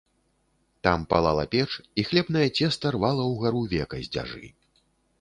Там палала печ, і хлебнае цеста рвала ўгару века з дзяжы.